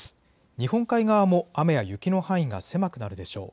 日本海側も雨や雪の範囲が狭くなるでしょう。